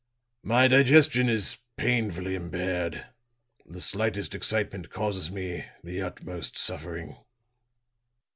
My digestion is painfully impaired; the slightest excitement causes me the utmost suffering."